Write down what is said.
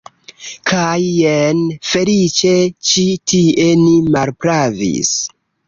Kaj jen, feliĉe, ĉi tie ni malpravis.